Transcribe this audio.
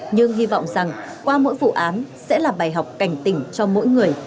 nhưng hy vọng rằng qua mỗi vụ án sẽ là bài học cảnh tỉnh cho mỗi người